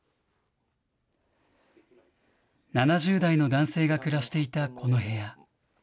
７０代の男性が暮らしていたこの部屋。